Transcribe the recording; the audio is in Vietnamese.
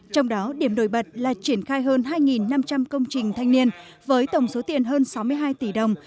trong đó điểm nổi bật là triển khai hơn hai năm trăm linh công trình thanh niên với tổng số tiền hơn sáu mươi hai tỷ đồng